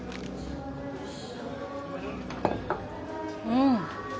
うん。